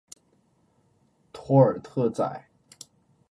托尔特宰。